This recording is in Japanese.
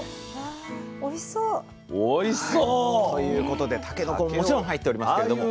おいしそう！ということでたけのこももちろん入っておりますけれども。